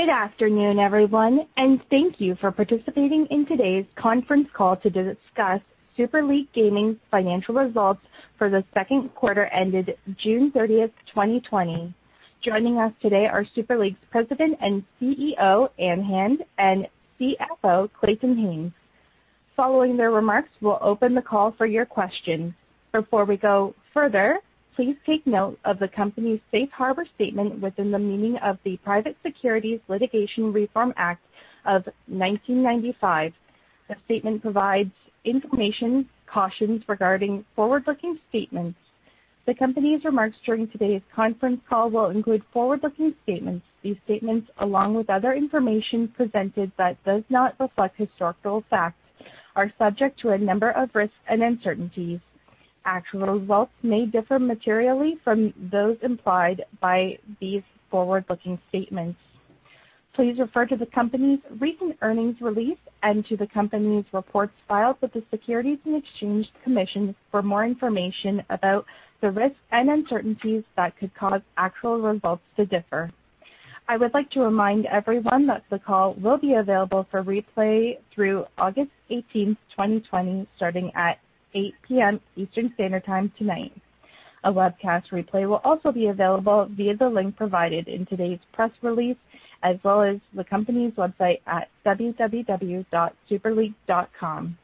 Good afternoon, everyone, and thank you for participating in today's conference call to discuss Super League Gaming's financial results for the second quarter ended June 30, 2020. Joining us today are Super League's President and CEO, Ann Hand, and CFO, Clayton Haynes. Following their remarks, we'll open the call for your questions. Before we go further, please take note of the company's safe harbor statement within the meaning of the Private Securities Litigation Reform Act of 1995. The statement provides information, cautions regarding forward-looking statements. The company's remarks during today's conference call will include forward-looking statements. These statements, along with other information presented that does not reflect historical facts, are subject to a number of risks and uncertainties. Actual results may differ materially from those implied by these forward-looking statements. Please refer to the company's recent earnings release and to the company's reports filed with the Securities and Exchange Commission for more information about the risks and uncertainties that could cause actual results to differ. I would like to remind everyone that the call will be available for replay through August 18th, 2020, starting at 8:00 P.M. Eastern Standard Time tonight. A webcast replay will also be available via the link provided in today's press release, as well as the company's website at www.superleague.com.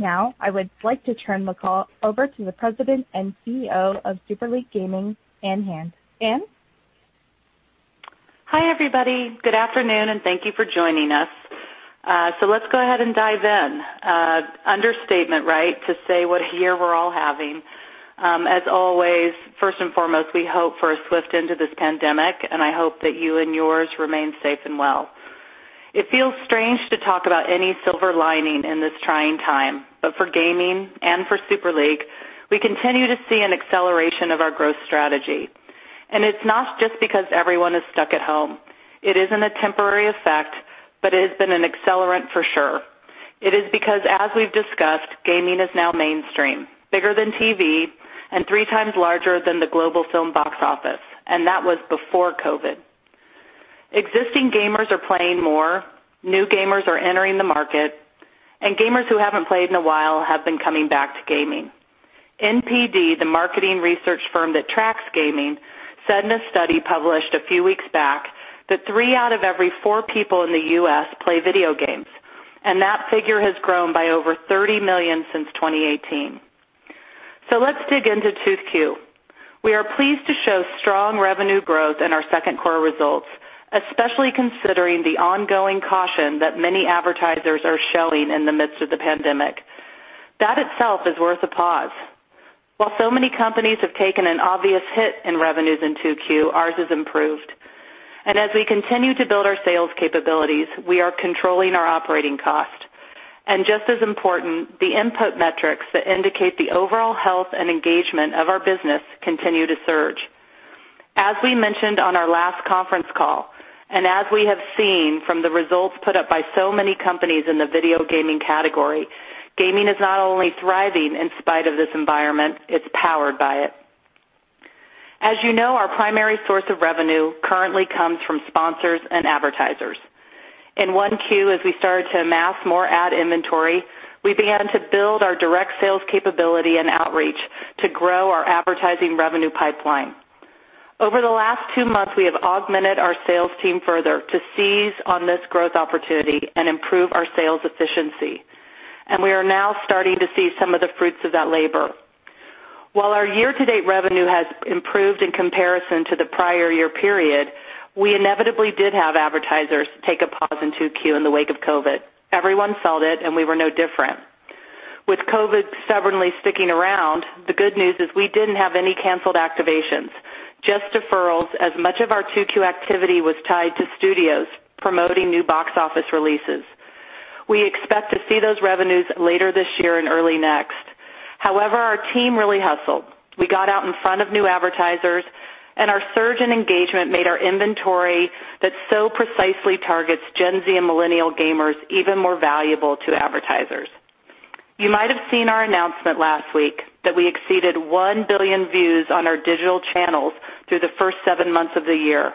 I would like to turn the call over to the President and CEO of Super League Gaming, Ann Hand. Ann? Hi, everybody. Good afternoon, and thank you for joining us. Let's go ahead and dive in. Understatement, right? To say what a year we're all having. As always, first and foremost, we hope for a swift end to this pandemic, and I hope that you and yours remain safe and well. It feels strange to talk about any silver lining in this trying time, but for gaming and for Super League, we continue to see an acceleration of our growth strategy, and it's not just because everyone is stuck at home. It isn't a temporary effect, but it has been an accelerant for sure. It is because, as we've discussed, gaming is now mainstream, bigger than TV, and three times larger than the global film box office, and that was before COVID. Existing gamers are playing more, new gamers are entering the market, and gamers who haven't played in a while have been coming back to gaming. NPD, the marketing research firm that tracks gaming, said in a study published a few weeks back that three out of every four people in the U.S. play video games, and that figure has grown by over 30 million since 2018. Let's dig into Q2. We are pleased to show strong revenue growth in our second quarter results, especially considering the ongoing caution that many advertisers are showing in the midst of the pandemic. That itself is worth a pause. While so many companies have taken an obvious hit in revenues in Q2, ours has improved. As we continue to build our sales capabilities, we are controlling our operating cost. Just as important, the input metrics that indicate the overall health and engagement of our business continue to surge. As we mentioned on our last conference call, and as we have seen from the results put up by so many companies in the video gaming category, gaming is not only thriving in spite of this environment, it's powered by it. As you know, our primary source of revenue currently comes from sponsors and advertisers. In Q1, as we started to amass more ad inventory, we began to build our direct sales capability and outreach to grow our advertising revenue pipeline. Over the last two months, we have augmented our sales team further to seize on this growth opportunity and improve our sales efficiency, and we are now starting to see some of the fruits of that labor. While our year-to-date revenue has improved in comparison to the prior year period, we inevitably did have advertisers take a pause in Q2 in the wake of COVID. Everyone felt it, and we were no different. With COVID stubbornly sticking around, the good news is we didn't have any canceled activations, just deferrals, as much of our Q2 activity was tied to studios promoting new box office releases. We expect to see those revenues later this year and early next. However, our team really hustled. We got out in front of new advertisers, and our surge in engagement made our inventory that so precisely targets Gen Z and millennial gamers even more valuable to advertisers. You might have seen our announcement last week that we exceeded 1 billion views on our digital channels through the first seven months of the year.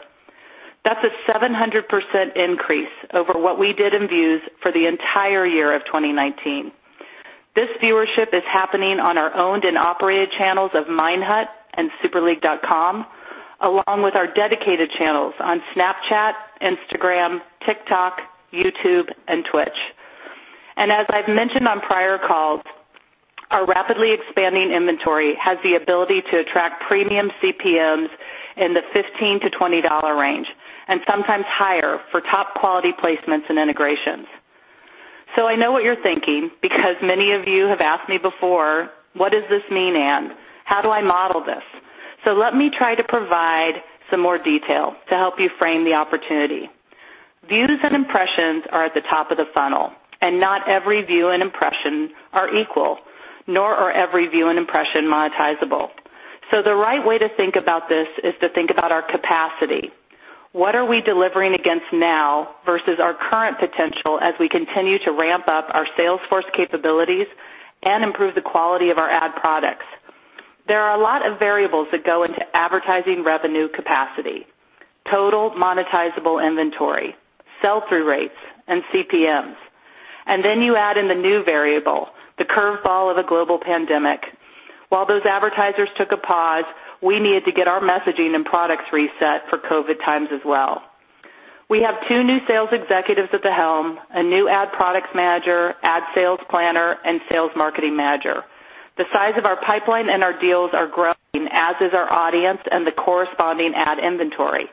That's a 700% increase over what we did in views for the entire year of 2019. This viewership is happening on our owned and operated channels of Minehut and superleague.com, along with our dedicated channels on Snapchat, Instagram, TikTok, YouTube, and Twitch. As I've mentioned on prior calls, our rapidly expanding inventory has the ability to attract premium CPMs in the $15-$20 range, and sometimes higher for top-quality placements and integrations. I know what you're thinking because many of you have asked me before, "What does this mean, Ann? How do I model this?" Let me try to provide some more detail to help you frame the opportunity. Views and impressions are at the top of the funnel, and not every view and impression are equal, nor are every view and impression monetizable. The right way to think about this is to think about our capacity. What are we delivering against now versus our current potential as we continue to ramp up our sales force capabilities and improve the quality of our ad products? There are a lot of variables that go into advertising revenue capacity, total monetizable inventory, sell-through rates, and CPMs. Then you add in the new variable, the curve ball of a global pandemic. While those advertisers took a pause, we needed to get our messaging and products reset for COVID times as well. We have two new sales executives at the helm, a new ad products manager, ad sales planner, and sales marketing manager. The size of our pipeline and our deals are growing, as is our audience and the corresponding ad inventory.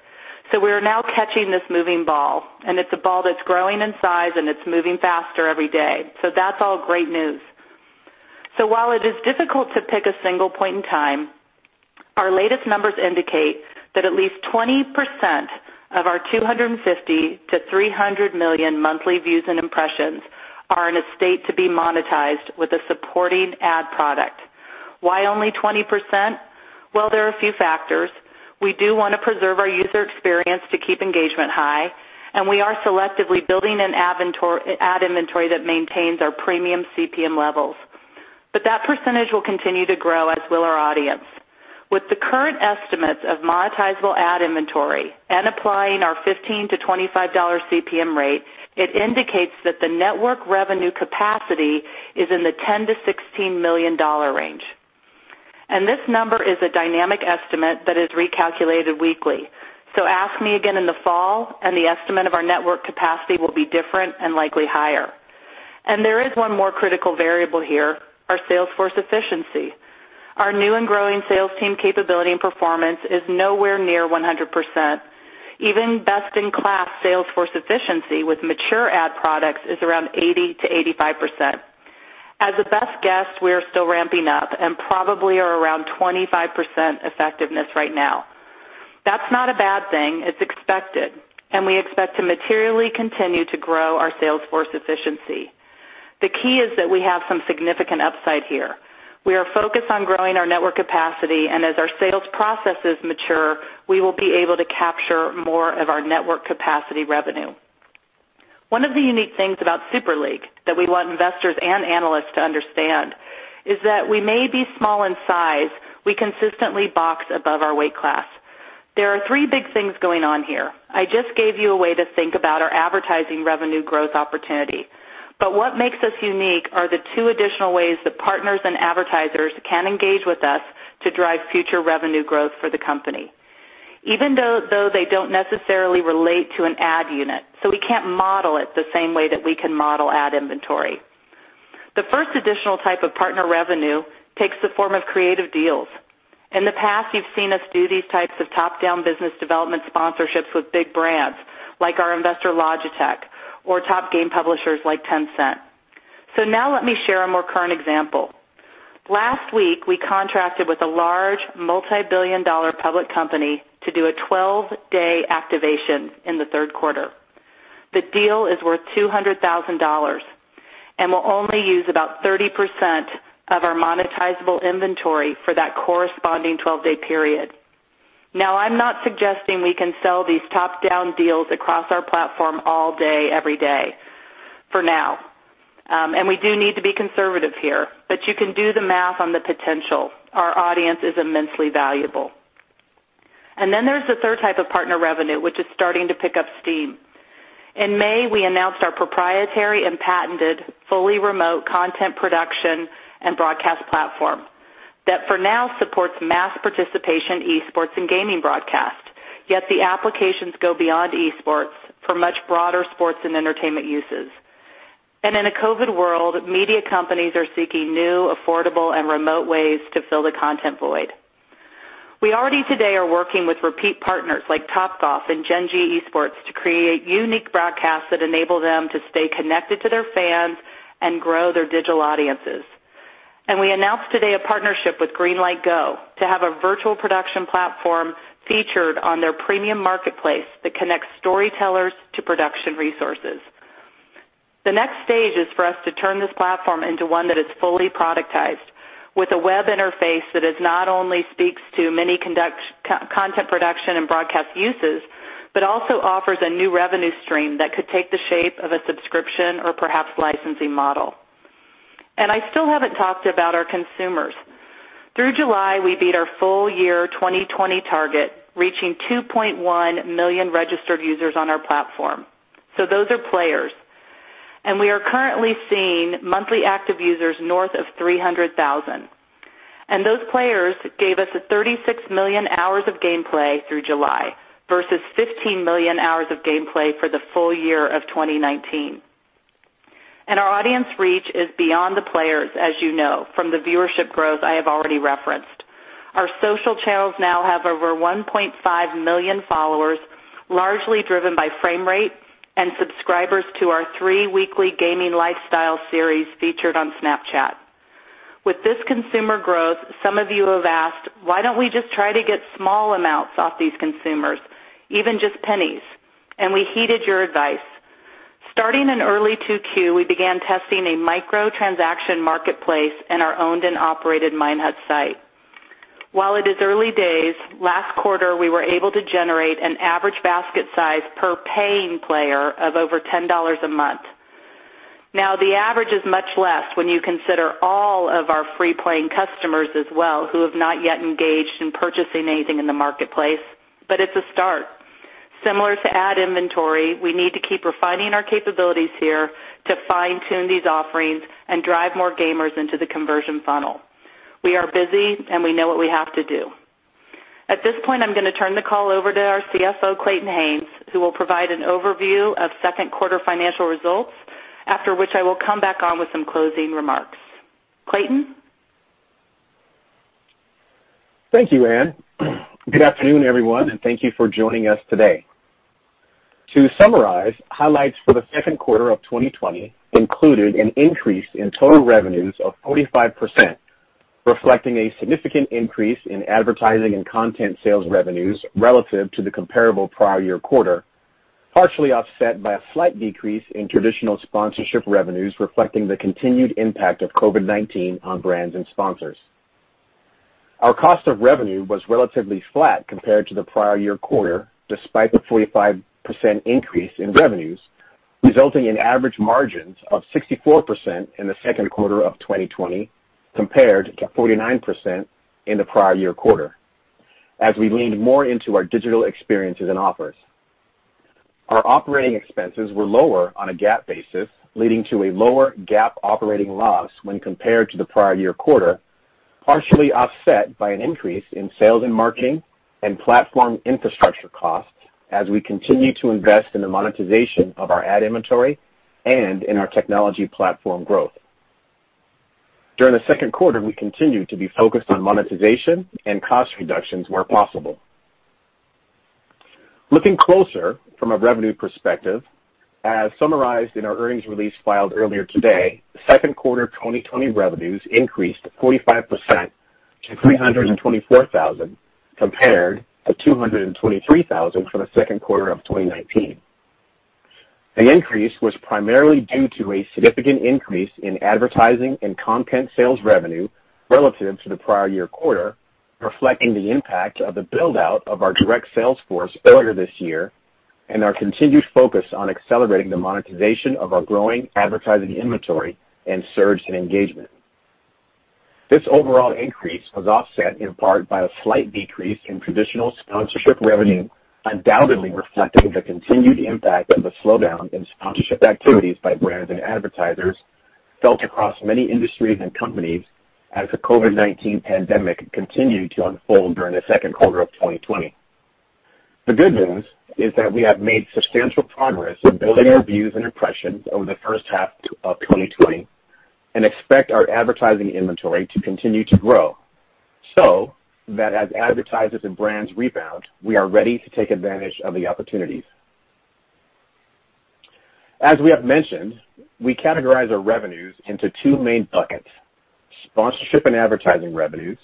We are now catching this moving ball, and it's a ball that's growing in size and it's moving faster every day. That's all great news. While it is difficult to pick a single point in time, our latest numbers indicate that at least 20% of our 250 to 300 million monthly views and impressions are in a state to be monetized with a supporting ad product. Why only 20%? Well, there are a few factors. We do want to preserve our user experience to keep engagement high, and we are selectively building an ad inventory that maintains our premium CPM levels. That percentage will continue to grow, as will our audience. With the current estimates of monetizable ad inventory and applying our $15-$25 CPM rate, it indicates that the network revenue capacity is in the $10 million-$16 million range. This number is a dynamic estimate that is recalculated weekly. Ask me again in the fall, and the estimate of our network capacity will be different and likely higher. There is one more critical variable here, our sales force efficiency. Our new and growing sales team capability and performance is nowhere near 100%. Even best-in-class sales force efficiency with mature ad products is around 80%-85%. As a best guess, we are still ramping up and probably are around 25% effectiveness right now. That's not a bad thing. It's expected, and we expect to materially continue to grow our sales force efficiency. The key is that we have some significant upside here. We are focused on growing our network capacity, and as our sales processes mature, we will be able to capture more of our network capacity revenue. One of the unique things about Super League that we want investors and analysts to understand is that we may be small in size, we consistently box above our weight class. There are three big things going on here. I just gave you a way to think about our advertising revenue growth opportunity. What makes us unique are the two additional ways that partners and advertisers can engage with us to drive future revenue growth for the company, even though they don't necessarily relate to an ad unit, so we can't model it the same way that we can model ad inventory. The first additional type of partner revenue takes the form of creative deals. In the past, you've seen us do these types of top-down business development sponsorships with big brands like our investor, Logitech, or top game publishers like Tencent. Now let me share a more current example. Last week, we contracted with a large multi-billion-dollar public company to do a 12-day activation in the third quarter. The deal is worth $200,000 and will only use about 30% of our monetizable inventory for that corresponding 12-day period. Now, I'm not suggesting we can sell these top-down deals across our platform all day, every day, for now. We do need to be conservative here, but you can do the math on the potential. Our audience is immensely valuable. Then there's the third type of partner revenue, which is starting to pick up steam. In May, we announced our proprietary and patented fully remote content production and broadcast platform that for now supports mass participation esports and gaming broadcast. The applications go beyond esports for much broader sports and entertainment uses. In a COVID world, media companies are seeking new, affordable, and remote ways to fill the content void. We already today are working with repeat partners like Topgolf and Gen.G Esports to create unique broadcasts that enable them to stay connected to their fans and grow their digital audiences. We announced today a partnership with GreenlightGO to have a virtual production platform featured on their premium marketplace that connects storytellers to production resources. The next stage is for us to turn this platform into one that is fully productized with a web interface that is not only speaks to many content production and broadcast uses, but also offers a new revenue stream that could take the shape of a subscription or perhaps licensing model. I still haven't talked about our consumers. Through July, we beat our full year 2020 target, reaching 2.1 million registered users on our platform. Those are players. We are currently seeing monthly active users north of 300,000. Those players gave us 36 million hours of gameplay through July versus 15 million hours of gameplay for the full year of 2019. Our audience reach is beyond the players, as you know from the viewership growth I have already referenced. Our social channels now have over 1.5 million followers, largely driven by Framerate and subscribers to our three weekly gaming lifestyle series featured on Snapchat. With this consumer growth, some of you have asked, why don't we just try to get small amounts off these consumers, even just pennies? We heeded your advice. Starting in early 2Q, we began testing a micro-transaction marketplace in our owned and operated Minehut site. While it is early days, last quarter, we were able to generate an average basket size per paying player of over $10 a month. The average is much less when you consider all of our free playing customers as well who have not yet engaged in purchasing anything in the marketplace. It's a start. Similar to ad inventory, we need to keep refining our capabilities here to fine-tune these offerings and drive more gamers into the conversion funnel. We are busy. We know what we have to do. At this point, I'm going to turn the call over to our CFO, Clayton Haynes, who will provide an overview of second quarter financial results. After which, I will come back on with some closing remarks. Clayton? Thank you, Ann. Good afternoon, everyone, and thank you for joining us today. To summarize, highlights for the second quarter of 2020 included an increase in total revenues of 45%, reflecting a significant increase in advertising and content sales revenues relative to the comparable prior year quarter, partially offset by a slight decrease in traditional sponsorship revenues, reflecting the continued impact of COVID-19 on brands and sponsors. Our cost of revenue was relatively flat compared to the prior year quarter, despite the 45% increase in revenues, resulting in average margins of 64% in the second quarter of 2020 compared to 49% in the prior year quarter as we leaned more into our digital experiences and offers. Our operating expenses were lower on a GAAP basis, leading to a lower GAAP operating loss when compared to the prior year quarter, partially offset by an increase in sales and marketing and platform infrastructure costs as we continue to invest in the monetization of our ad inventory and in our technology platform growth. During the second quarter, we continued to be focused on monetization and cost reductions where possible. Looking closer from a revenue perspective, as summarized in our earnings release filed earlier today, second quarter 2020 revenues increased 45% to $324,000 compared to $223,000 for the second quarter of 2019. The increase was primarily due to a significant increase in advertising and content sales revenue relative to the prior year quarter, reflecting the impact of the build-out of our direct sales force earlier this year and our continued focus on accelerating the monetization of our growing advertising inventory and surge in engagement. This overall increase was offset in part by a slight decrease in traditional sponsorship revenue, undoubtedly reflecting the continued impact of the slowdown in sponsorship activities by brands and advertisers felt across many industries and companies as the COVID-19 pandemic continued to unfold during the second quarter of 2020. The good news is that we have made substantial progress in building our views and impressions over the first half of 2020 and expect our advertising inventory to continue to grow, so that as advertisers and brands rebound, we are ready to take advantage of the opportunities. As we have mentioned, we categorize our revenues into two main buckets, sponsorship and advertising revenues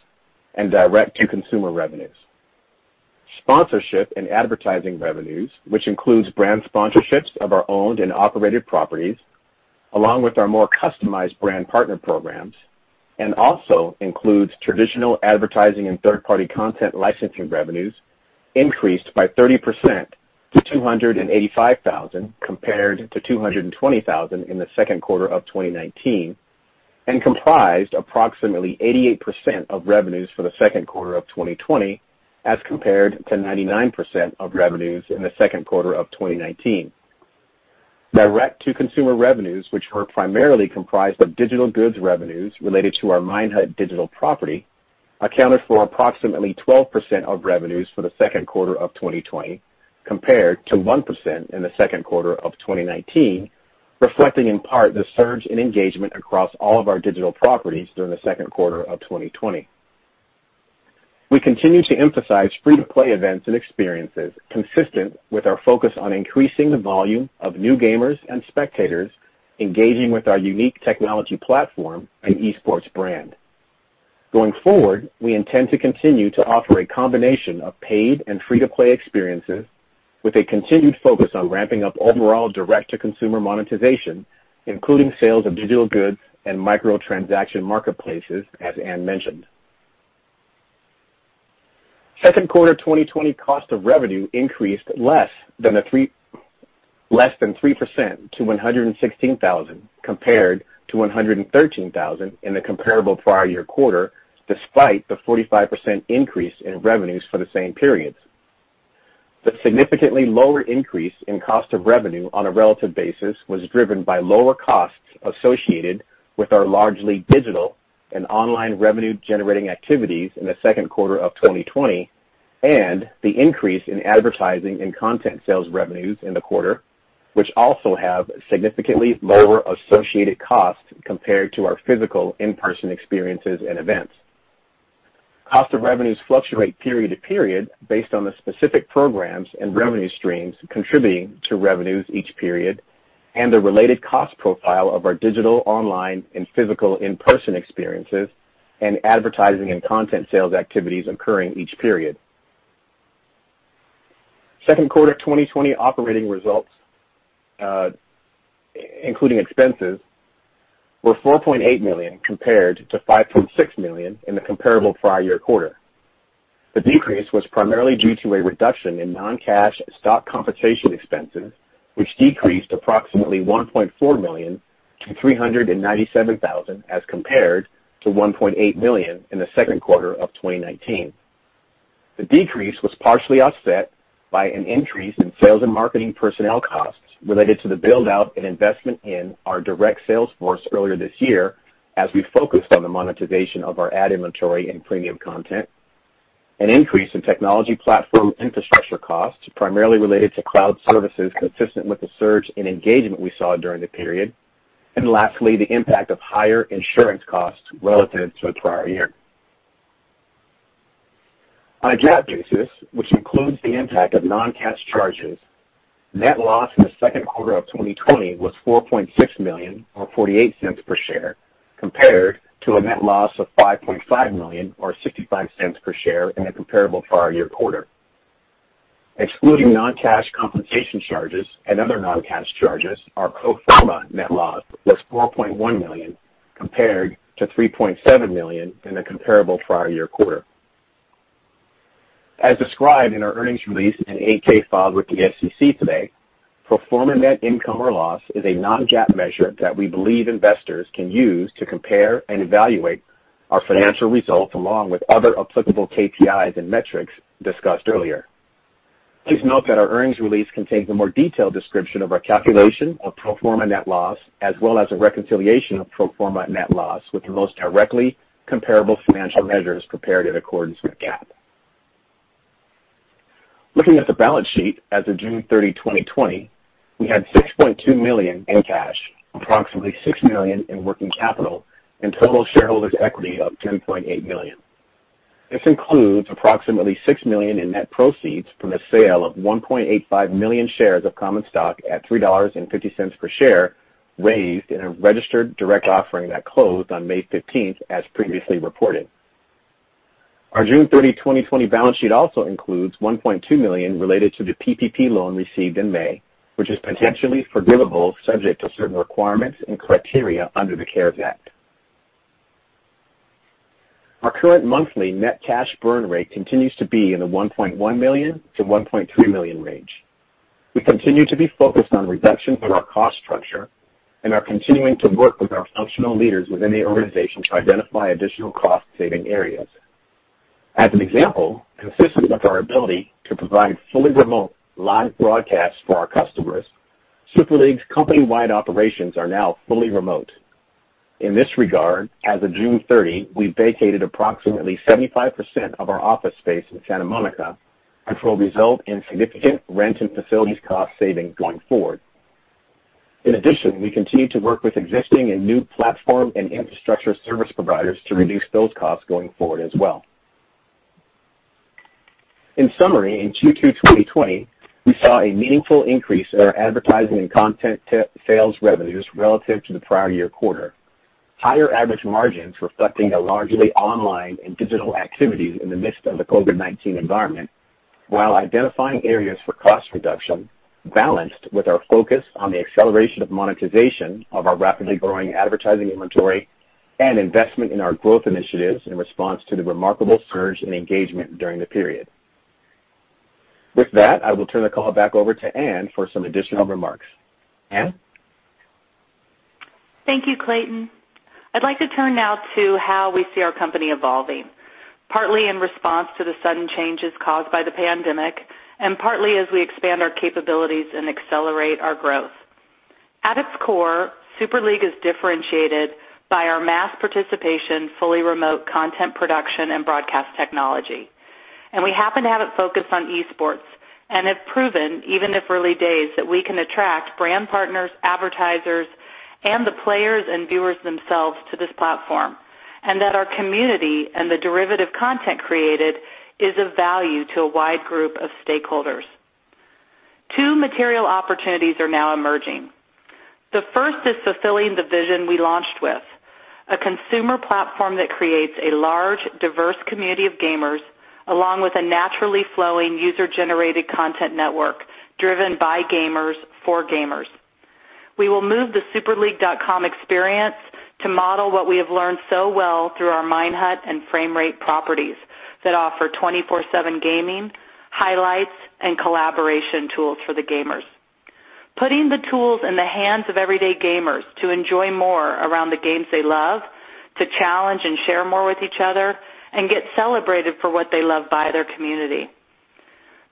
and direct-to-consumer revenues. Sponsorship and advertising revenues, which includes brand sponsorships of our owned and operated properties, along with our more customized brand partner programs, and also includes traditional advertising and third-party content licensing revenues increased by 30% to $285,000 compared to $220,000 in the second quarter of 2019, and comprised approximately 88% of revenues for the second quarter of 2020 as compared to 99% of revenues in the second quarter of 2019. Direct-to-consumer revenues, which were primarily comprised of digital goods revenues related to our Minehut digital property, accounted for approximately 12% of revenues for the second quarter of 2020 compared to 1% in the second quarter of 2019, reflecting in part the surge in engagement across all of our digital properties during the second quarter of 2020. We continue to emphasize free-to-play events and experiences consistent with our focus on increasing the volume of new gamers and spectators engaging with our unique technology platform and esports brand. Going forward, we intend to continue to offer a combination of paid and free-to-play experiences with a continued focus on ramping up overall direct-to-consumer monetization, including sales of digital goods and micro-transaction marketplaces, as Ann mentioned. Second quarter 2020 cost of revenue increased less than 3% to $116,000 compared to $113,000 in the comparable prior year quarter, despite the 45% increase in revenues for the same periods. The significantly lower increase in cost of revenue on a relative basis was driven by lower costs associated with our largely digital and online revenue-generating activities in the second quarter of 2020 and the increase in advertising and content sales revenues in the quarter, which also have significantly lower associated costs compared to our physical in-person experiences and events. Cost of revenues fluctuate period to period based on the specific programs and revenue streams contributing to revenues each period and the related cost profile of our digital, online, and physical in-person experiences and advertising and content sales activities occurring each period. Second quarter 2020 operating results, including expenses, were $4.8 million compared to $5.6 million in the comparable prior year quarter. The decrease was primarily due to a reduction in non-cash stock compensation expenses, which decreased approximately $1.4 million to $397,000 as compared to $1.8 million in the second quarter of 2019. The decrease was partially offset by an increase in sales and marketing personnel costs related to the build-out and investment in our direct sales force earlier this year, as we focused on the monetization of our ad inventory and premium content, an increase in technology platform infrastructure costs, primarily related to cloud services consistent with the surge in engagement we saw during the period, and lastly, the impact of higher insurance costs relative to the prior year. On a GAAP basis, which includes the impact of non-cash charges, net loss in the second quarter of 2020 was $4.6 million, or $0.48 per share, compared to a net loss of $5.5 million, or $0.65 per share in the comparable prior year quarter. Excluding non-cash compensation charges and other non-cash charges, our pro forma net loss was $4.1 million, compared to $3.7 million in the comparable prior year quarter. As described in our earnings release and 8-K filed with the SEC today, pro forma net income or loss is a non-GAAP measure that we believe investors can use to compare and evaluate our financial results, along with other applicable KPIs and metrics discussed earlier. Please note that our earnings release contains a more detailed description of our calculation of pro forma net loss, as well as a reconciliation of pro forma net loss with the most directly comparable financial measures prepared in accordance with GAAP. Looking at the balance sheet as of June 30, 2020, we had $6.2 million in cash, approximately $6 million in working capital, and total shareholders' equity of $10.8 million. This includes approximately $6 million in net proceeds from the sale of 1.85 million shares of common stock at $3.50 per share raised in a registered direct offering that closed on May 15th, as previously reported. Our June 30, 2020 balance sheet also includes $1.2 million related to the PPP loan received in May, which is potentially forgivable subject to certain requirements and criteria under the CARES Act. Our current monthly net cash burn rate continues to be in the $1.1 million-$1.3 million range. We continue to be focused on reductions in our cost structure and are continuing to work with our functional leaders within the organization to identify additional cost-saving areas. As an example, consistent with our ability to provide fully remote live broadcasts for our customers, Super League's company-wide operations are now fully remote. In this regard, as of June 30, we vacated approximately 75% of our office space in Santa Monica, which will result in significant rent and facilities cost savings going forward. In addition, we continue to work with existing and new platform and infrastructure service providers to reduce those costs going forward as well. In summary, in Q2 2020, we saw a meaningful increase in our advertising and content sales revenues relative to the prior year quarter. Higher average margins reflecting a largely online and digital activity in the midst of the COVID-19 environment, while identifying areas for cost reduction, balanced with our focus on the acceleration of monetization of our rapidly growing advertising inventory and investment in our growth initiatives in response to the remarkable surge in engagement during the period. With that, I will turn the call back over to Ann for some additional remarks. Ann? Thank you, Clayton. I'd like to turn now to how we see our company evolving, partly in response to the sudden changes caused by the pandemic, and partly as we expand our capabilities and accelerate our growth. At its core, Super League is differentiated by our mass participation, fully remote content production and broadcast technology. We happen to have it focused on esports and have proven, even if early days, that we can attract brand partners, advertisers, and the players and viewers themselves to this platform, and that our community and the derivative content created is of value to a wide group of stakeholders. Two material opportunities are now emerging. The first is fulfilling the vision we launched with: a consumer platform that creates a large, diverse community of gamers, along with a naturally flowing, user-generated content network driven by gamers, for gamers. We will move the superleague.com experience to model what we have learned so well through our Minehut and Framerate properties that offer 24/7 gaming, highlights, and collaboration tools for the gamers. Putting the tools in the hands of everyday gamers to enjoy more around the games they love, to challenge and share more with each other, and get celebrated for what they love by their community.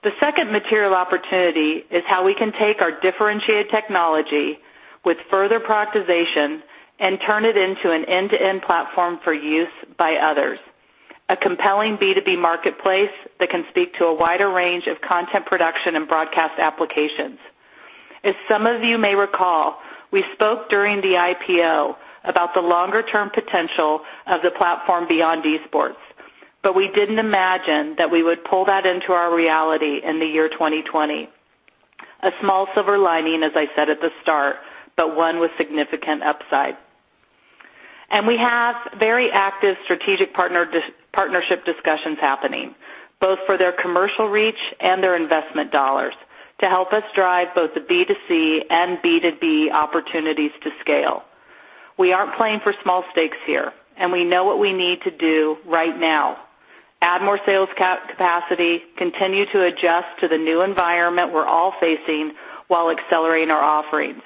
The second material opportunity is how we can take our differentiated technology with further productization and turn it into an end-to-end platform for use by others. A compelling B2B marketplace that can speak to a wider range of content production and broadcast applications. As some of you may recall, we spoke during the IPO about the longer-term potential of the platform beyond esports, but we didn't imagine that we would pull that into our reality in the year 2020. A small silver lining, as I said at the start, but one with significant upside. We have very active strategic partnership discussions happening, both for their commercial reach and their investment dollars, to help us drive both the B2C and B2B opportunities to scale. We aren't playing for small stakes here, and we know what we need to do right now. Add more sales capacity, continue to adjust to the new environment we're all facing while accelerating our offerings.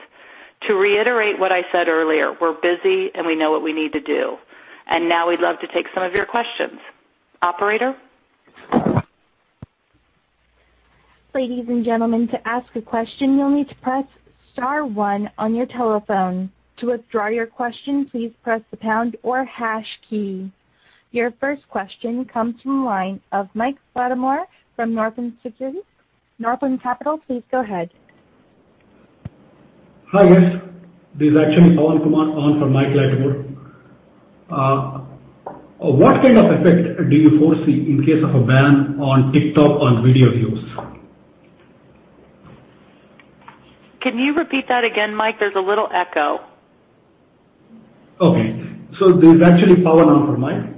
To reiterate what I said earlier, we're busy, and we know what we need to do. Now we'd love to take some of your questions. Operator? Ladies and gentlemen, to ask a question, you'll need to press star one on your telephone. To withdraw your question, please press the pound or hash key. Your first question comes from the line of Mike Latimore from Northland Capital. Please go ahead. Hi, guys. This is actually Pawan Kumar on from Michael Latimore. What kind of effect do you foresee in case of a ban on TikTok on video views? Can you repeat that again, Mike? There's a little echo. Okay. This is actually Pawan, on for Mike.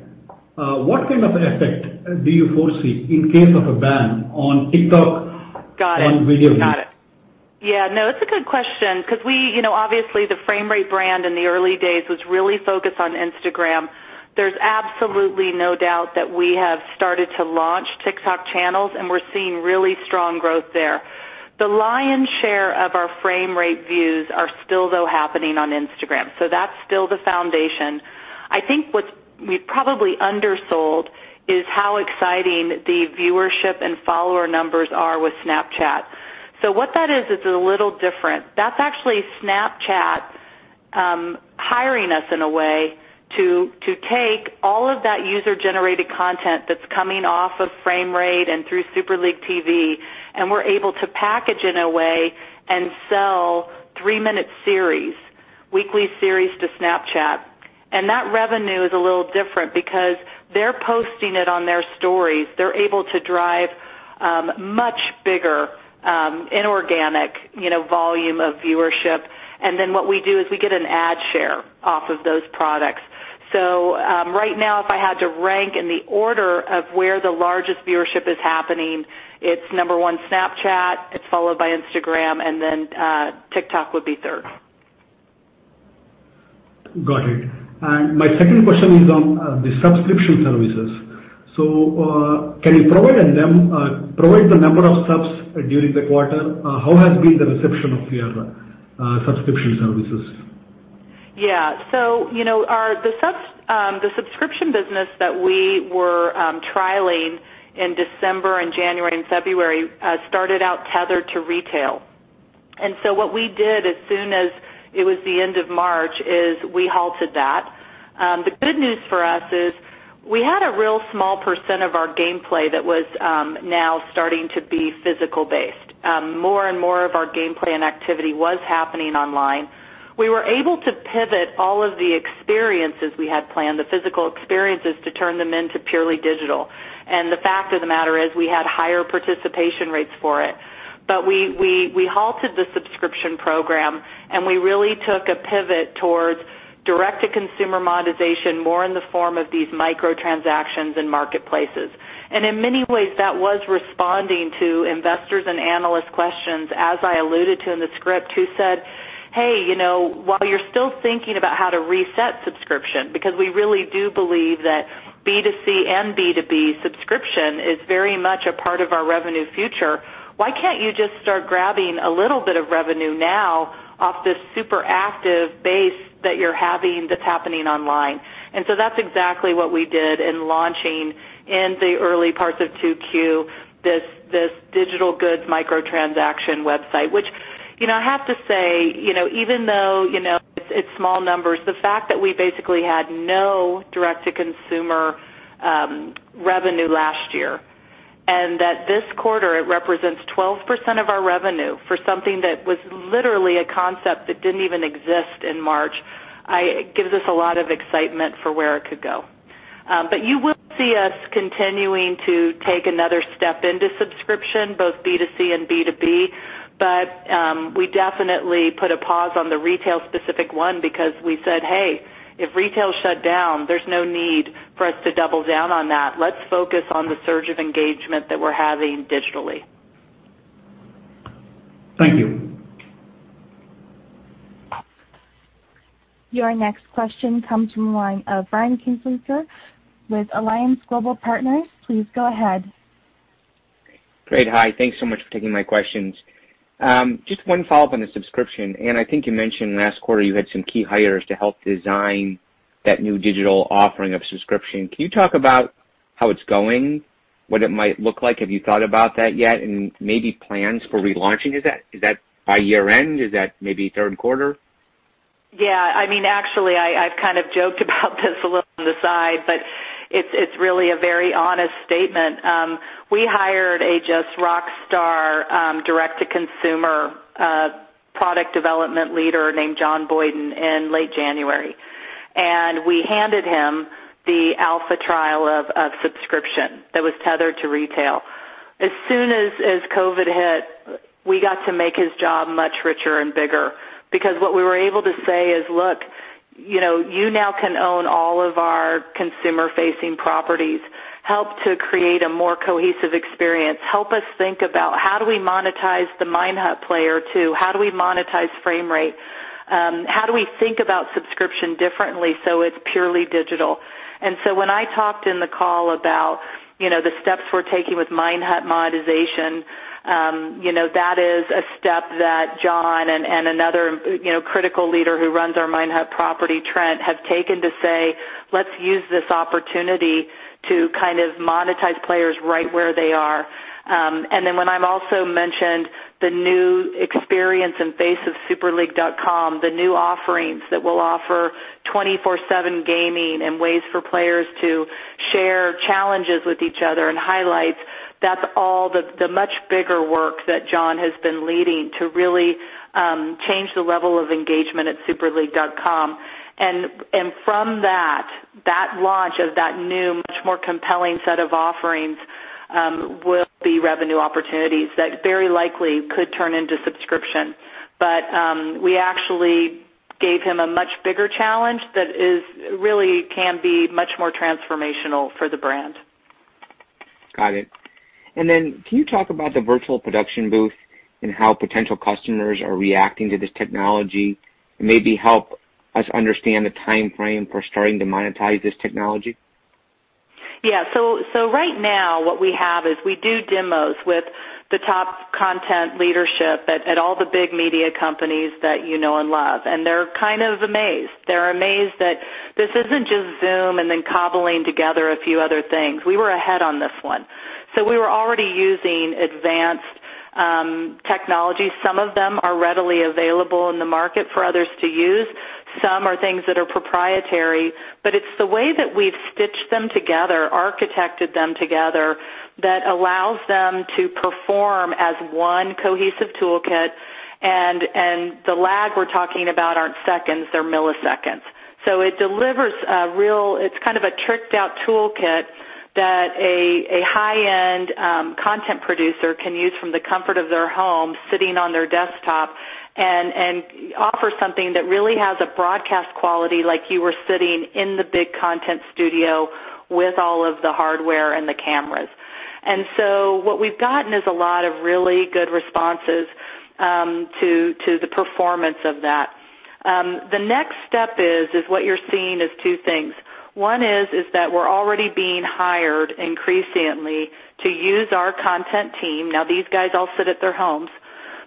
What kind of effect do you foresee in case of a ban on TikTok? Got it. on video views? Got it. No, that's a good question because obviously, the Framerate brand in the early days was really focused on Instagram. There's absolutely no doubt that we have started to launch TikTok channels, and we're seeing really strong growth there. The lion's share of our Framerate views are still, though, happening on Instagram. That's still the foundation. I think what we've probably undersold is how exciting the viewership and follower numbers are with Snapchat. What that is, it's a little different. That's actually Snapchat hiring us in a way to take all of that user-generated content that's coming off of Framerate and through Super League TV, and we're able to package in a way and sell three-minute series, weekly series to Snapchat. That revenue is a little different because they're posting it on their stories. They're able to drive much bigger inorganic volume of viewership. What we do is we get an ad share off of those products. Right now, if I had to rank in the order of where the largest viewership is happening, it's number 1, Snapchat, it's followed by Instagram, and then TikTok would be third. Got it. My second question is on the subscription services. Can you provide the number of subs during the quarter? How has been the reception of your subscription services? Yeah. The subscription business that we were trialing in December and January and February started out tethered to retail. What we did as soon as it was the end of March is we halted that. The good news for us is we had a real small % of our gameplay that was now starting to be physical based. More and more of our gameplay and activity was happening online. We were able to pivot all of the experiences we had planned, the physical experiences, to turn them into purely digital. The fact of the matter is we had higher participation rates for it. We halted the subscription program, and we really took a pivot towards direct-to-consumer monetization more in the form of these micro-transactions and marketplaces. In many ways, that was responding to investors' and analysts' questions as I alluded to in the script, who said, "Hey, while you're still thinking about how to reset subscription, because we really do believe that B2C and B2B subscription is very much a part of our revenue future, why can't you just start grabbing a little bit of revenue now off this super active base that you're having that's happening online?" That's exactly what we did in launching in the early parts of 2Q this digital goods micro-transaction website. Which I have to say, even though it's small numbers, the fact that we basically had no direct-to-consumer revenue last year and that this quarter it represents 12% of our revenue for something that was literally a concept that didn't even exist in March, it gives us a lot of excitement for where it could go. You will see us continuing to take another step into subscription, both B2C and B2B. We definitely put a pause on the retail-specific one because we said, "Hey, if retail is shut down, there's no need for us to double down on that. Let's focus on the surge of engagement that we're having digitally. Thank you. Your next question comes from the line of Brian Kinstlinger with Alliance Global Partners. Please go ahead. Great. Hi, thanks so much for taking my questions. Just one follow-up on the subscription. Ann, I think you mentioned last quarter you had some key hires to help design that new digital offering of subscription. Can you talk about how it's going, what it might look like? Have you thought about that yet? Maybe plans for relaunching. Is that by year-end? Is that maybe third quarter? Yeah. Actually, I've kind of joked about this a little on the side, but it's really a very honest statement. We hired a just rockstar Direct-to-Consumer product development leader named John Boyden in late January. We handed him the alpha trial of subscription that was tethered to retail. As soon as COVID hit, we got to make his job much richer and bigger because what we were able to say is, "Look, you now can own all of our consumer-facing properties. Help to create a more cohesive experience. Help us think about how do we monetize the Minehut player too? How do we monetize Framerate?" How do we think about subscription differently so it's purely digital? When I talked in the call about the steps we're taking with Minehut monetization, that is a step that John and another critical leader who runs our Minehut property, Trent, have taken to say, "Let's use this opportunity to kind of monetize players right where they are." When I've also mentioned the new experience and face of superleague.com, the new offerings that we'll offer 24/7 gaming and ways for players to share challenges with each other and highlights, that's all the much bigger work that John has been leading to really change the level of engagement at superleague.com. From that launch of that new, much more compelling set of offerings will be revenue opportunities that very likely could turn into subscription. We actually gave him a much bigger challenge that really can be much more transformational for the brand. Got it. Can you talk about the virtual production booth and how potential customers are reacting to this technology, and maybe help us understand the timeframe for starting to monetize this technology? Right now what we have is we do demos with the top content leadership at all the big media companies that you know and love, and they're kind of amazed. They're amazed that this isn't just Zoom and then cobbling together a few other things. We were ahead on this one. We were already using advanced technologies. Some of them are readily available in the market for others to use. Some are things that are proprietary. It's the way that we've stitched them together, architected them together, that allows them to perform as one cohesive toolkit, and the lag we're talking about aren't seconds, they're milliseconds. It's kind of a tricked out toolkit that a high-end content producer can use from the comfort of their home, sitting on their desktop, and offer something that really has a broadcast quality like you were sitting in the big content studio with all of the hardware and the cameras. What we've gotten is a lot of really good responses to the performance of that. The next step is what you're seeing is two things. One is that we're already being hired increasingly to use our content team. Now, these guys all sit at their homes,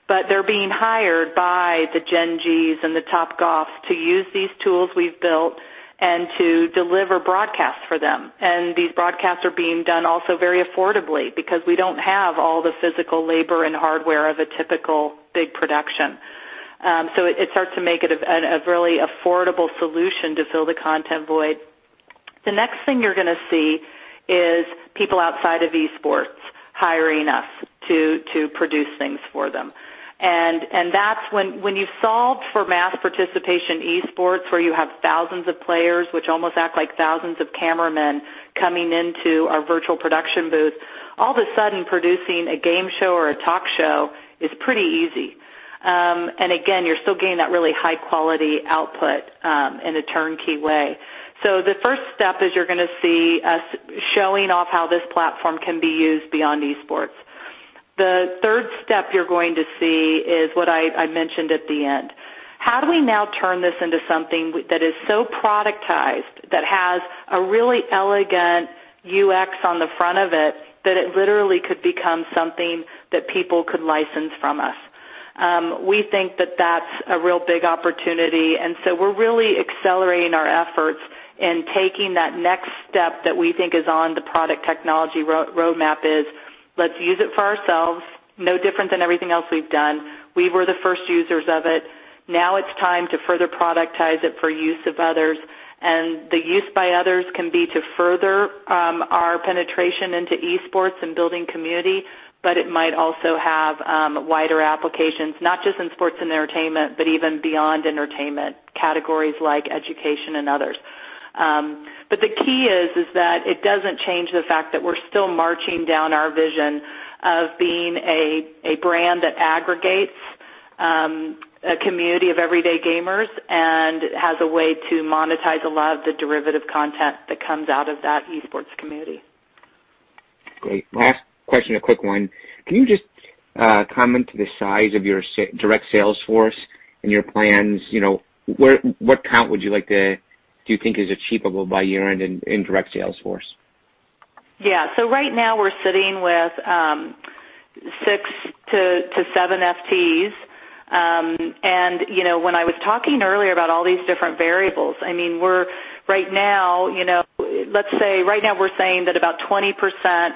but they're being hired by the Gen.G's and the Topgolfs to use these tools we've built and to deliver broadcasts for them. These broadcasts are being done also very affordably because we don't have all the physical labor and hardware of a typical big production. It starts to make it a really affordable solution to fill the content void. The next thing you're going to see is people outside of esports hiring us to produce things for them. That's when you solve for mass participation esports, where you have thousands of players which almost act like thousands of cameramen coming into our virtual production booth, all of a sudden producing a game show or a talk show is pretty easy. Again, you're still getting that really high-quality output in a turnkey way. The first step is you're going to see us showing off how this platform can be used beyond esports. The third step you're going to see is what I mentioned at the end. How do we now turn this into something that is so productized, that has a really elegant UX on the front of it, that it literally could become something that people could license from us? We think that that's a real big opportunity, we're really accelerating our efforts and taking that next step that we think is on the product technology roadmap is, let's use it for ourselves, no different than everything else we've done. We were the first users of it. Now it's time to further productize it for use of others, the use by others can be to further our penetration into esports and building community. It might also have wider applications, not just in sports and entertainment, but even beyond entertainment, categories like education and others. The key is that it doesn't change the fact that we're still marching down our vision of being a brand that aggregates a community of everyday gamers and has a way to monetize a lot of the derivative content that comes out of that esports community. Great. Last question, a quick one. Can you just comment to the size of your direct sales force and your plans? What count do you think is achievable by year-end in direct sales force? Right now we're sitting with six to seven FTEs. When I was talking earlier about all these different variables, let's say right now we're saying that about 20%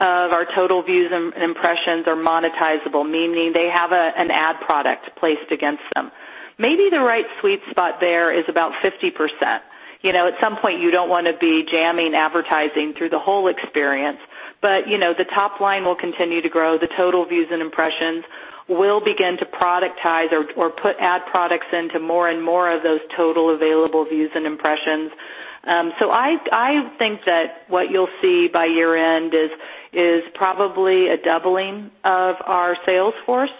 of our total views and impressions are monetizable, meaning they have an ad product placed against them. Maybe the right sweet spot there is about 50%. At some point, you don't want to be jamming advertising through the whole experience. The top line will continue to grow. The total views and impressions. We'll begin to productize or put ad products into more and more of those total available views and impressions. I think that what you'll see by year-end is probably a doubling of our sales force.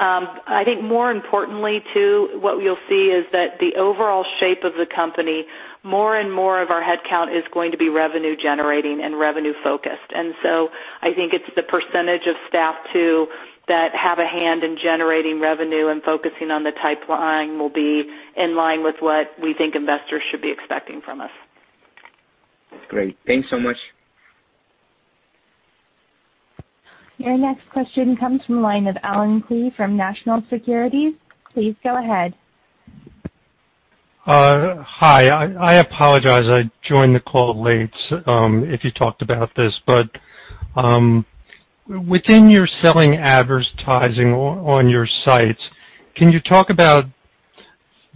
I think more importantly, too, what you'll see is that the overall shape of the company, more and more of our headcount is going to be revenue-generating and revenue-focused. I think it's the percentage of staff, too, that have a hand in generating revenue and focusing on the top line will be in line with what we think investors should be expecting from us. Great. Thanks so much. Your next question comes from the line of Allen Klee from National Securities. Please go ahead. Hi. I apologize. I joined the call late, if you talked about this, but within your selling advertising on your sites, can you talk about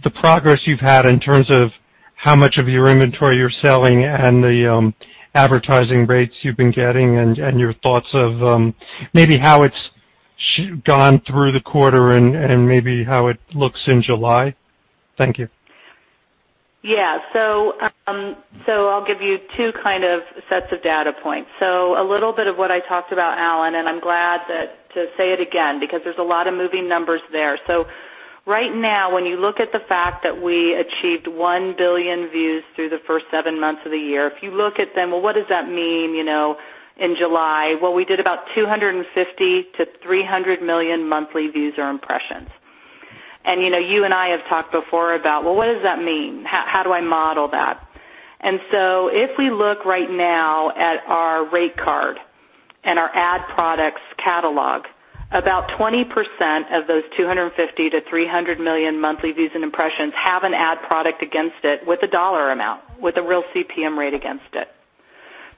the progress you've had in terms of how much of your inventory you're selling and the advertising rates you've been getting and your thoughts of maybe how it's gone through the quarter and maybe how it looks in July? Thank you. Yeah. I'll give you two kind of sets of data points. A little bit of what I talked about, Allen, and I'm glad to say it again, because there's a lot of moving numbers there. Right now, when you look at the fact that we achieved 1 billion views through the first seven months of the year, if you look at them, well, what does that mean in July? Well, we did about 250 million to 300 million monthly views or impressions. You and I have talked before about, well, what does that mean? How do I model that? If we look right now at our rate card and our ad products catalog, about 20% of those 250 million-300 million monthly views and impressions have an ad product against it with a dollar amount, with a real CPM rate against it.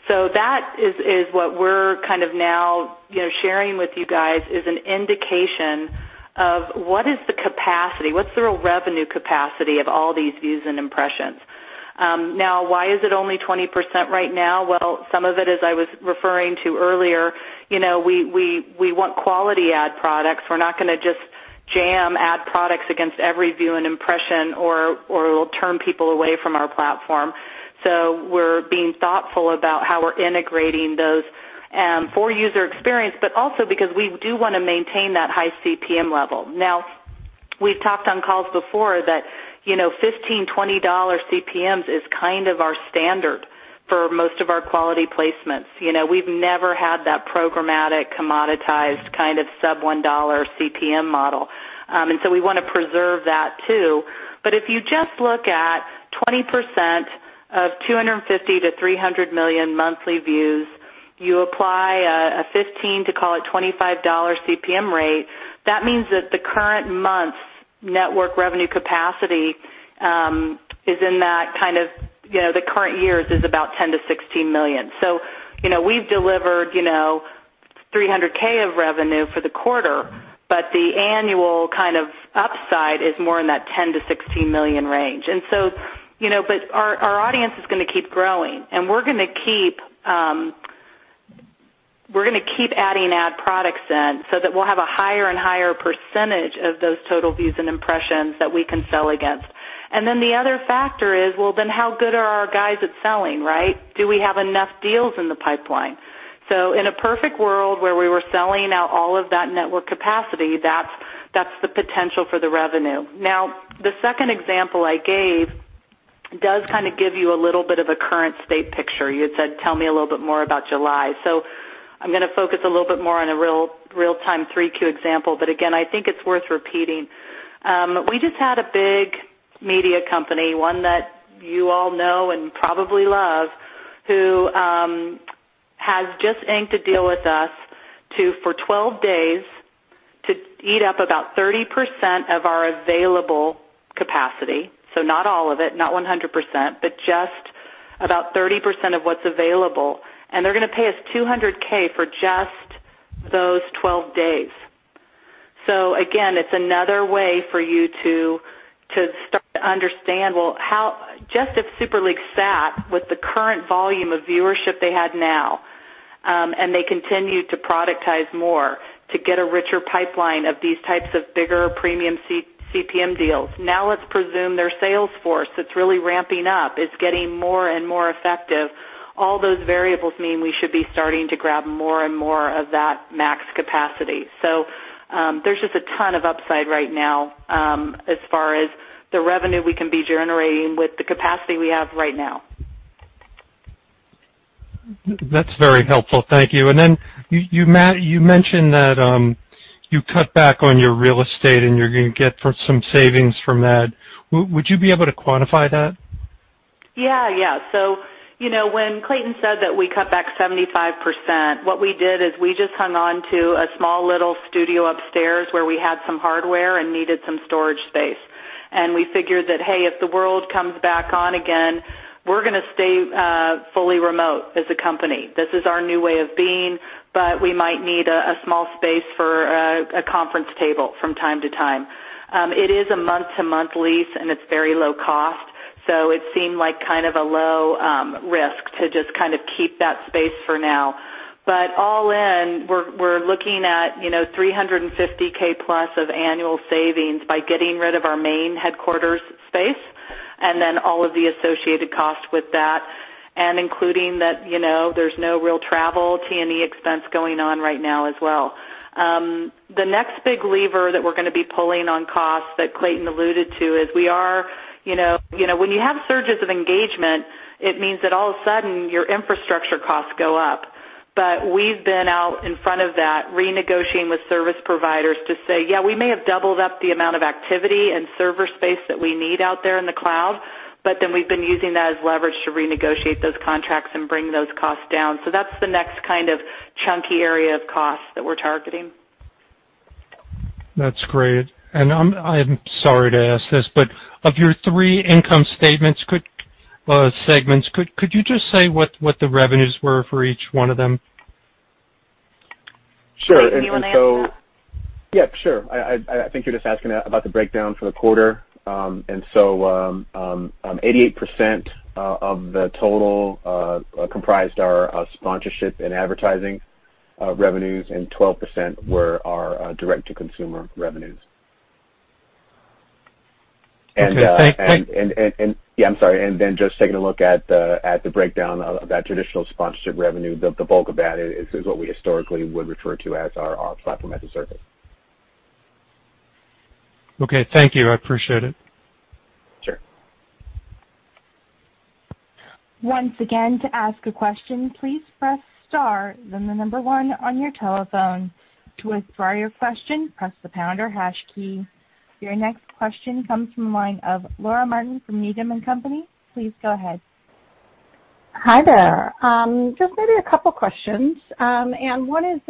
That is what we're kind of now sharing with you guys, is an indication of what is the capacity, what's the real revenue capacity of all these views and impressions. Why is it only 20% right now? Some of it, as I was referring to earlier, we want quality ad products. We're not going to just jam ad products against every view and impression, or it'll turn people away from our platform. We're being thoughtful about how we're integrating those for user experience, but also because we do want to maintain that high CPM level. We've talked on calls before that $15, $20 CPMs is kind of our standard for most of our quality placements. We've never had that programmatic, commoditized kind of sub-$1 CPM model. We want to preserve that, too. If you just look at 20% of 250 million-300 million monthly views, you apply a $15-$25 CPM rate, that means that the current month's network revenue capacity is in that the current years is about $10 million-$16 million. We've delivered $300K of revenue for the quarter, but the annual kind of upside is more in that $10 million-$16 million range. Then the other factor is, well, then how good are our guys at selling, right? Do we have enough deals in the pipeline? In a perfect world where we were selling out all of that network capacity, that's the potential for the revenue. The second example I gave does kind of give you a little bit of a current state picture. You had said, tell me a little bit more about July. I'm going to focus a little bit more on a real-time 3Q example, but again, I think it's worth repeating. We just had a big media company, one that you all know and probably love, who has just inked a deal with us to, for 12 days, to eat up about 30% of our available capacity. Not all of it, not 100%, but just about 30% of what's available, and they're going to pay us $200K for just those 12 days. Again, it's another way for you to start to understand, well, just if Super League sat with the current volume of viewership they had now, and they continued to productize more to get a richer pipeline of these types of bigger premium CPM deals. Let's presume their sales force that's really ramping up, it's getting more and more effective. All those variables mean we should be starting to grab more and more of that max capacity. There's just a ton of upside right now as far as the revenue we can be generating with the capacity we have right now. That's very helpful. Thank you. Then you mentioned that you cut back on your real estate and you're going to get some savings from that. Would you be able to quantify that? When Clayton said that we cut back 75%, what we did is we just hung on to a small little studio upstairs where we had some hardware and needed some storage space. We figured that, hey, if the world comes back on again, we're going to stay fully remote as a company. This is our new way of being, we might need a small space for a conference table from time to time. It is a month-to-month lease, and it's very low cost, so it seemed like kind of a low risk to just kind of keep that space for now. All in, we're looking at $350K plus of annual savings by getting rid of our main headquarters space and then all of the associated costs with that, and including that there's no real travel T&E expense going on right now as well. The next big lever that we're going to be pulling on costs that Clayton alluded to is when you have surges of engagement, it means that all of a sudden your infrastructure costs go up. We've been out in front of that, renegotiating with service providers to say, "Yeah, we may have doubled up the amount of activity and server space that we need out there in the cloud," but then we've been using that as leverage to renegotiate those contracts and bring those costs down. That's the next kind of chunky area of costs that we're targeting. That's great. I'm sorry to ask this, but of your three income statements segments, could you just say what the revenues were for each one of them? Clayton, do you want to answer that? Yeah, sure. I think you're just asking about the breakdown for the quarter. 88% of the total comprised our sponsorship and advertising revenues, and 12% were our Direct-to-Consumer revenues. Okay. Yeah, I'm sorry. Just taking a look at the breakdown of that traditional sponsorship revenue, the bulk of that is what we historically would refer to as our platform as a service. Okay. Thank you. I appreciate it. Sure. Once again to ask a question, please press star the number one on your telephone to withdraw your question press the pound or hash key. Your next question comes from the line of Laura Martin from Needham & Company. Please go ahead. Hi there. Just maybe a couple of questions. Ann, one is,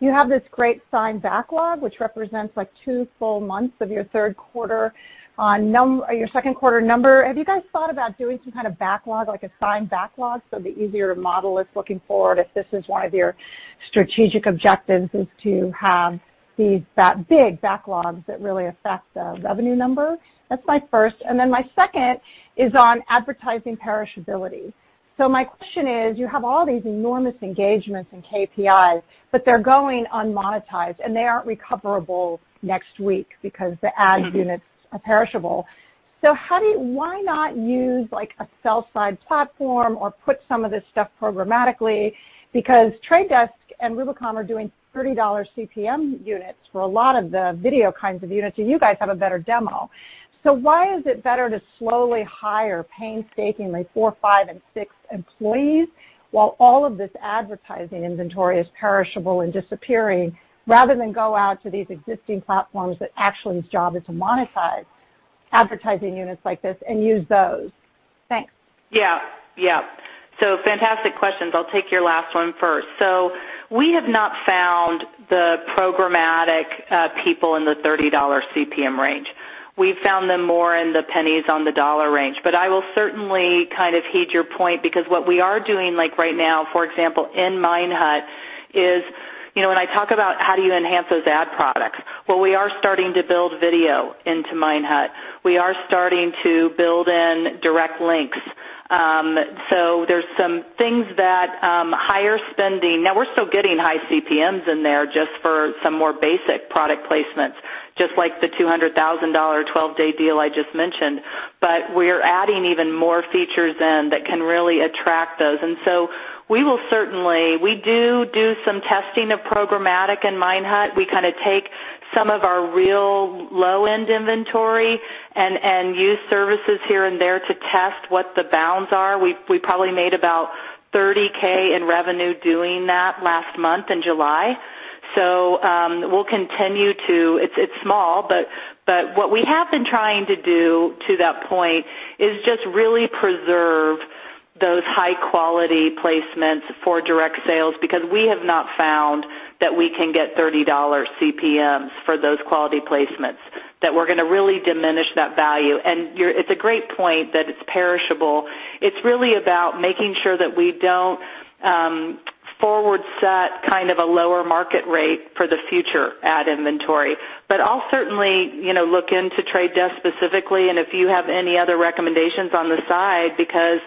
you have this great signed backlog, which represents 2 full months of your third quarter your second quarter number. Have you guys thought about doing some kind of backlog, like a signed backlog, so it'd be easier to model this looking forward, if this is one of your strategic objectives, is to have that big backlogs that really affect the revenue number? That's my first. My second is on advertising perishability. My question is, you have all these enormous engagements in KPIs, but they're going unmonetized, and they aren't recoverable next week because the ad units are perishable. Why not use a sell-side platform or put some of this stuff programmatically? Because Trade Desk and Rubicon are doing $30 CPM units for a lot of the video kinds of units, and you guys have a better demo. Why is it better to slowly hire painstakingly four, five, and six employees while all of this advertising inventory is perishable and disappearing, rather than go out to these existing platforms that actually its job is to monetize advertising units like this and use those? Thanks. Fantastic questions. I'll take your last one first. We have not found the programmatic, people in the $30 CPM range. We've found them more in the pennies on the dollar range. I will certainly kind of heed your point, because what we are doing like right now, for example, in Minehut, is when I talk about how do you enhance those ad products, well, we are starting to build video into Minehut. We are starting to build in direct links. There's some things that, higher spending. Now, we're still getting high CPMs in there just for some more basic product placements, just like the $200,000 12-day deal I just mentioned. We're adding even more features in that can really attract those. We do some testing of programmatic in Minehut. We kind of take some of our real low-end inventory and use services here and there to test what the bounds are. We probably made about $30K in revenue doing that last month in July. It's small, but what we have been trying to do to that point is just really preserve those high-quality placements for direct sales, because we have not found that we can get $30 CPMs for those quality placements, that we're going to really diminish that value. It's a great point that it's perishable. It's really about making sure that we don't forward set kind of a lower market rate for the future ad inventory. I'll certainly look into The Trade Desk specifically and if you have any other recommendations on the side, because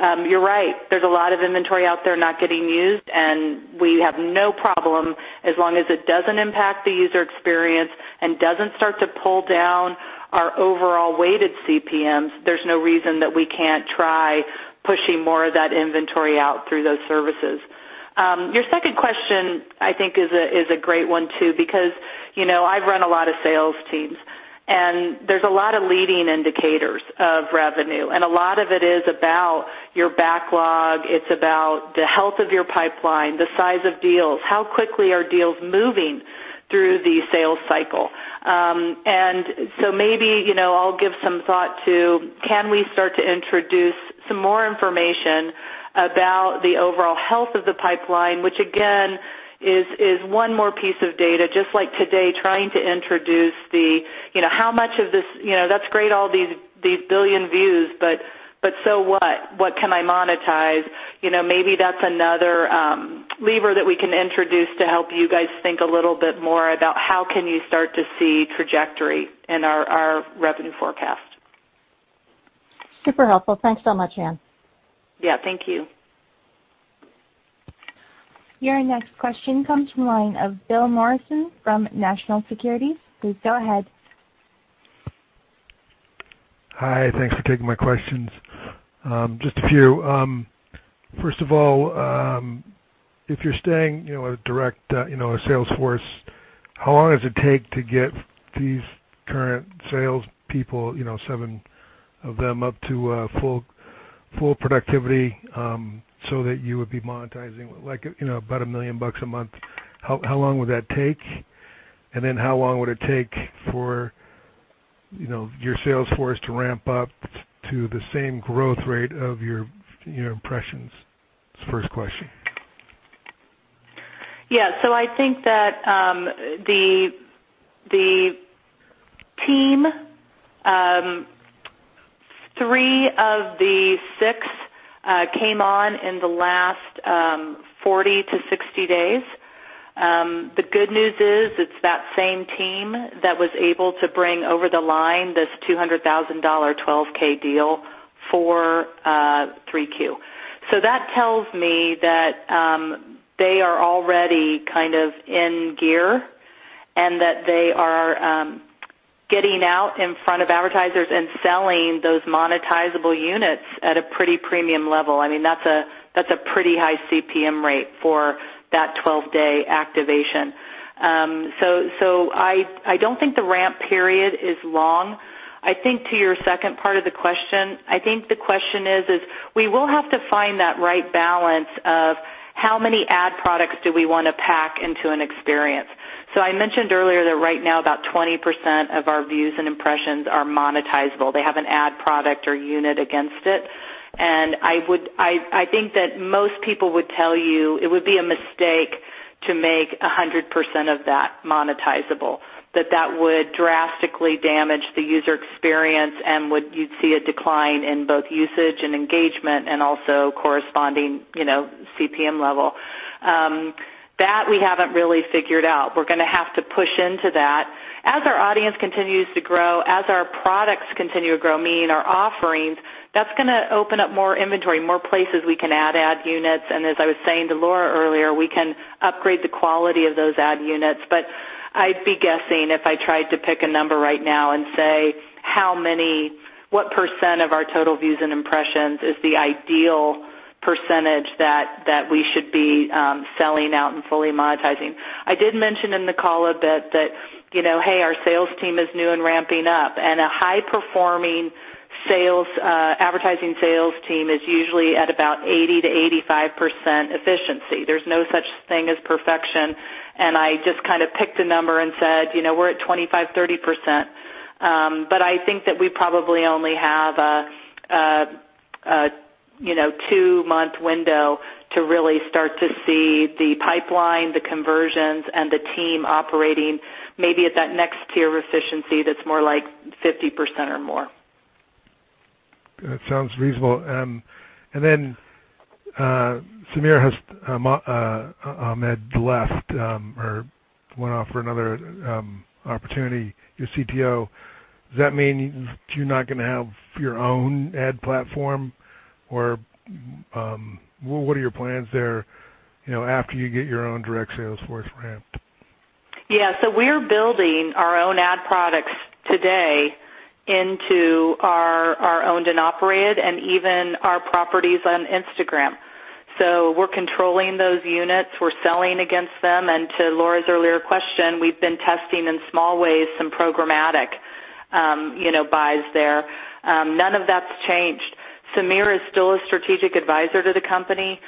you're right, there's a lot of inventory out there not getting used, and we have no problem as long as it doesn't impact the user experience and doesn't start to pull down our overall weighted CPMs. There's no reason that we can't try pushing more of that inventory out through those services. Your second question, I think, is a great one, too, because I've run a lot of sales teams, and there's a lot of leading indicators of revenue, and a lot of it is about your backlog. It's about the health of your pipeline, the size of deals, how quickly are deals moving through the sales cycle. Maybe I'll give some thought to can we start to introduce some more information about the overall health of the pipeline, which again, is one more piece of data, just like today, trying to introduce. That's great, all these billion views, but so what? What can I monetize? Maybe that's another lever that we can introduce to help you guys think a little bit more about how can you start to see trajectory in our revenue forecast. Super helpful. Thanks so much, Ann. Yeah. Thank you. Your next question comes from the line of Bill Morrison from National Securities. Please go ahead. Hi. Thanks for taking my questions. Just a few. First of all, if you're staying a direct sales force. How long does it take to get these current salespeople, seven of them, up to full productivity so that you would be monetizing about $1 million a month? How long would that take? How long would it take for your sales force to ramp up to the same growth rate of your impressions? That's the first question. Yeah. I think that the team, three of the six came on in the last 40 to 60 days. The good news is it's that same team that was able to bring over the line this $200,000 12K deal for 3Q. That tells me that they are already kind of in gear, and that they are getting out in front of advertisers and selling those monetizable units at a pretty premium level. That's a pretty high CPM rate for that 12-day activation. I don't think the ramp period is long. I think to your second part of the question, I think the question is, we will have to find that right balance of how many ad products do we want to pack into an experience. I mentioned earlier that right now about 20% of our views and impressions are monetizable. They have an ad product or unit against it. I think that most people would tell you it would be a mistake to make 100% of that monetizable, that that would drastically damage the user experience and you'd see a decline in both usage and engagement, and also corresponding CPM level. That we haven't really figured out. We're going to have to push into that. As our audience continues to grow, as our products continue to grow, meaning our offerings, that's going to open up more inventory, more places we can add ad units, and as I was saying to Laura earlier, we can upgrade the quality of those ad units. I'd be guessing if I tried to pick a number right now and say what % of our total views and impressions is the ideal % that we should be selling out and fully monetizing. I did mention in the call a bit that, hey, our sales team is new and ramping up, a high-performing advertising sales team is usually at about 80%-85% efficiency. There's no such thing as perfection, I just kind of picked a number and said, we're at 25%, 30%. I think that we probably only have a two-month window to really start to see the pipeline, the conversions, and the team operating maybe at that next tier of efficiency that's more like 50% or more. That sounds reasonable. Samir Ahmed left or went off for another opportunity, your CTO. Does that mean you're not going to have your own ad platform? What are your plans there after you get your own direct sales force ramped? Yeah. We're building our own ad products today into our owned and operated, and even our properties on Instagram. We're controlling those units. We're selling against them, and to Laura's earlier question, we've been testing in small ways some programmatic buys there. None of that's changed. Samir is still a strategic advisor to the company.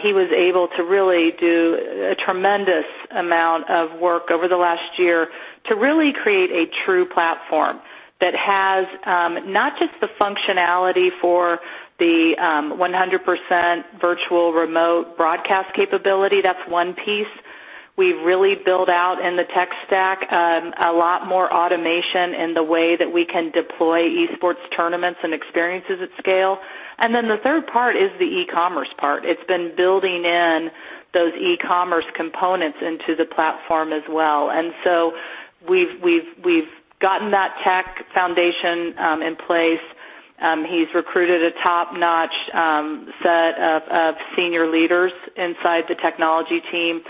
He was able to really do a tremendous amount of work over the last year to really create a true platform that has not just the functionality for the 100% virtual remote broadcast capability, that's one piece. We've really built out in the tech stack a lot more automation in the way that we can deploy esports tournaments and experiences at scale. The third part is the e-commerce part. It's been building in those e-commerce components into the platform as well. We've gotten that tech foundation in place. He's recruited a top-notch set of senior leaders inside the technology team.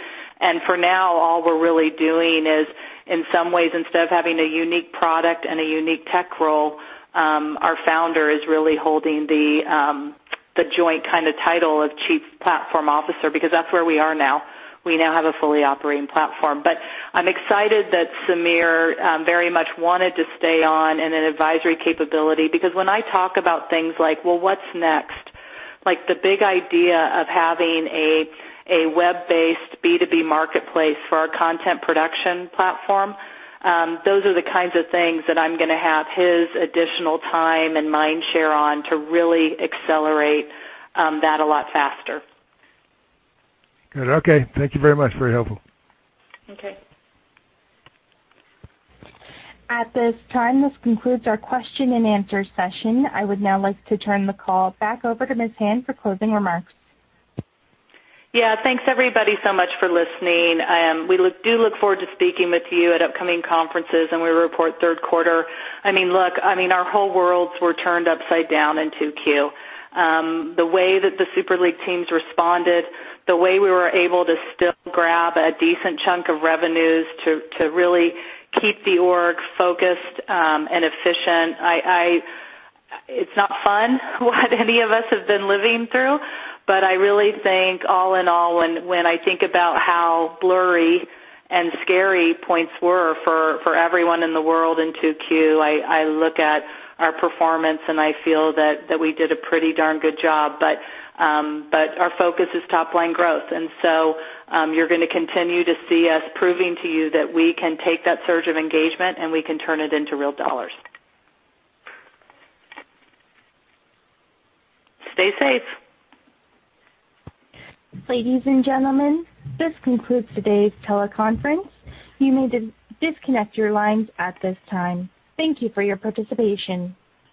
For now, all we're really doing is, in some ways, instead of having a unique product and a unique tech role, our founder is really holding the joint title of Chief Platform Officer, because that's where we are now. We now have a fully operating platform. I'm excited that Samir very much wanted to stay on in an advisory capability because when I talk about things like, well, what's next? The big idea of having a web-based B2B marketplace for our content production platform, those are the kinds of things that I'm going to have his additional time and mind share on to really accelerate that a lot faster. Good. Okay. Thank you very much. Very helpful. Okay. At this time, this concludes our question and answer session. I would now like to turn the call back over to Ms. Hand for closing remarks. Yeah. Thanks everybody so much for listening. We do look forward to speaking with you at upcoming conferences. We report third quarter. Look, our whole worlds were turned upside down in 2Q. The way that the Super League teams responded, the way we were able to still grab a decent chunk of revenues to really keep the org focused and efficient. It's not fun what any of us have been living through. I really think all in all, when I think about how blurry and scary points were for everyone in the world in 2Q, I look at our performance and I feel that we did a pretty darn good job. Our focus is top-line growth. You're going to continue to see us proving to you that we can take that surge of engagement and we can turn it into real dollars. Stay safe. Ladies and gentlemen, this concludes today's teleconference. You may disconnect your lines at this time. Thank you for your participation.